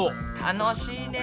楽しいね。